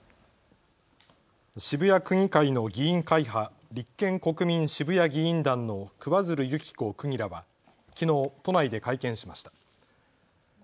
渋谷区議会の議員会派、立憲・国民渋谷議員団の桑水流弓紀子区議らはきのう都内で会見しました。